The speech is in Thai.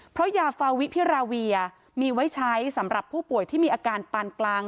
เพราะยาฟาวิพิราเวียมีไว้ใช้สำหรับผู้ป่วยที่มีอาการปานกลาง